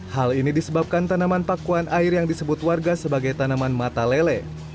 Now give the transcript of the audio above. hal ini disebabkan tanaman pakuan air yang disebut warga sebagai tanaman mata lele